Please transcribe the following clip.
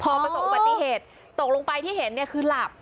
พอประสบอุบัติเหตุตกลงไปที่เห็นเนี่ยคือหลับ